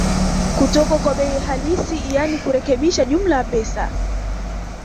kutoka kwa bei halisi yaani kurekebisha jumla ya pesa